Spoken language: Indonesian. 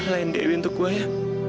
lain dewi untuk gue ya